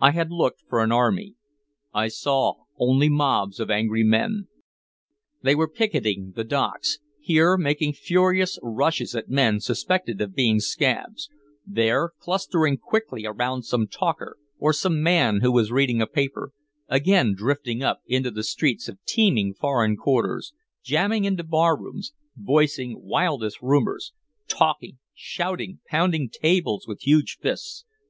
I had looked for an army. I saw only mobs of angry men. They were "picketing" the docks, here making furious rushes at men suspected of being "scabs," there clustering quickly around some talker or some man who was reading a paper, again drifting up into the streets of teeming foreign quarters, jamming into barrooms, voicing wildest rumors, talking, shouting, pounding tables with huge fists.